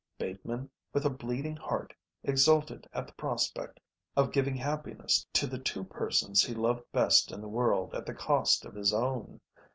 Bateman, with a bleeding heart, exulted at the prospect of giving happiness to the two persons he loved best in the world at the cost of his own.